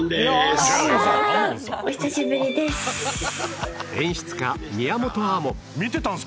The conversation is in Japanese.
ああお久しぶりです。